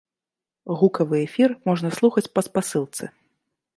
Гукавы эфір можна слухаць па спасылцы.